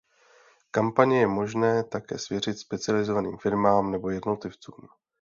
Kampaně je možné také svěřit specializovaným firmám nebo jednotlivcům.